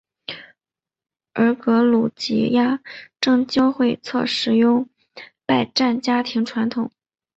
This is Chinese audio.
而格鲁吉亚正教会则使用拜占庭礼传统。